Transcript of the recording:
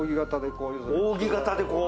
扇型でこう。